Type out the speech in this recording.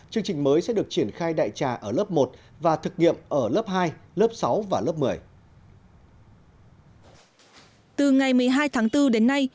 chương trình mới sẽ được triển khai đại trà